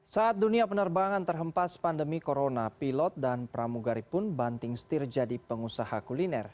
saat dunia penerbangan terhempas pandemi corona pilot dan pramugari pun banting setir jadi pengusaha kuliner